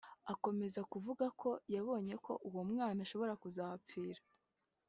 Akomeza avuga ko yabonye ko uwo mwana ashobora kuzahapfira